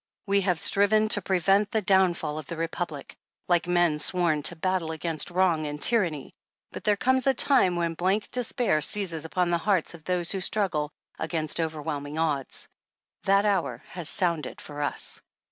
We have striven to prevent the downfall 45 of the Republic, like men sworn to battle against wrong and tyranny, but there comes a time when blank despair seizes upon the hearts of those who struggle against overwhelming odds. That hour has sounded for us.